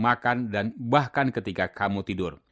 makan dan bahkan ketika kamu tidur